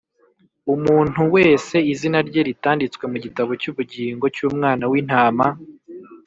umuntu wese izina rye ritanditswe mu gitabo cy’ubugingo cy’Umwana w’Intama,